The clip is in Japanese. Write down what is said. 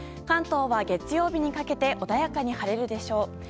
関東は、月曜日にかけて穏やかに晴れるでしょう。